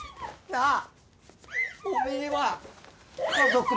なあ！